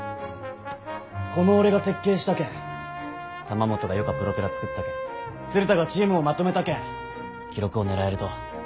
この俺が設計したけん玉本がよかプロペラ作ったけん鶴田がチームをまとめたけん記録を狙えると。